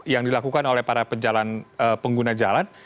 yang dilakukan oleh para pengguna jalan